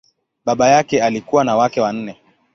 Baba yake alikuwa na wake wanne.